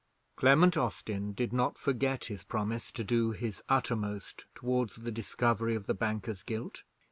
Clement Austin did not forget his promise to do his uttermost towards the discovery of the banker's guilt.